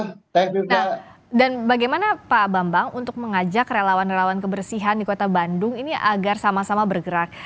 nah dan bagaimana pak bambang untuk mengajak relawan relawan kebersihan di kota bandung ini agar sama sama bergerak